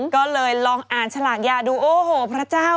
ก็เลยลองอ่านฉลากยาดูโอ้โหพระเจ้า